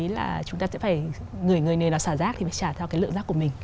là chúng ta sẽ phải người người nơi đó xả rác thì phải trả theo cái lượng rác của mình